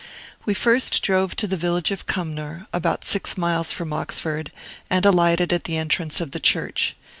We first drove to the village of Cumnor, about six miles from Oxford, and alighted at the entrance of the church.